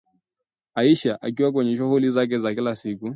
Aisha akiwa kwenye shughuli zake za kila siku